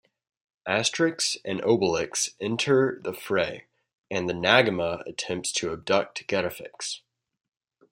Asterix and Obelix enter the fray, and the Nagma attempts to abduct Getafix.